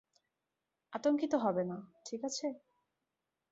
আতঙ্কিত হবে না, ঠিক আছে?